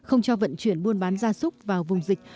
không cho vận chuyển buôn bán gia súc vào vùng dịch